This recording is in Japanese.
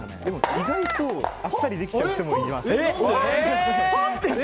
意外とあっさりできる人もいます。